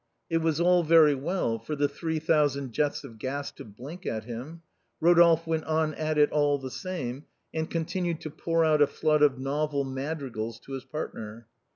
It was all very well for the three thousand jets of gas to blink at him, Rodolphe went on at it all the same, and continued to pour out a flood of novel madrigals to his partner.